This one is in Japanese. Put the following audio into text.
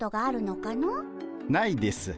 ないです。